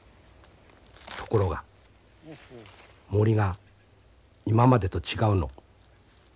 ところが森が今までと違うの。